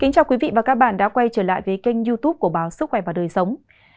chào các bạn đã quay trở lại với kênh youtube của báo sức khỏe và đời sống